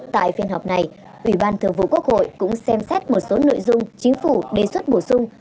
tại phiên họp này ủy ban thường vụ quốc hội cũng xem xét một số nội dung chính phủ đề xuất bổ sung